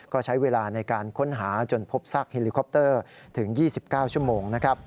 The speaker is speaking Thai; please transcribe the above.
ก็ใช้เวลาในการค้นหาจนพบซากเฮลิคอปเตอร์ถึง๒๙ชั่วโมง